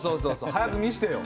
早く見せてよ。